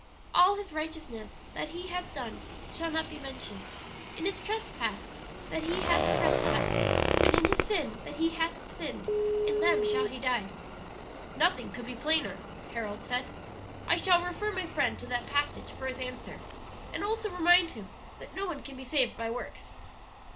All his righteousness that he hath done shall not be mentioned: in his trespass that he hath trespassed, and in his sin that he hath sinned, in them shall he die.'" "Nothing could be plainer," Harold said. "I shall refer my friend to that passage for his answer, and also remind him that no one can be saved by works.